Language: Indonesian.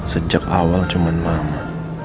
sejak awal cuma mama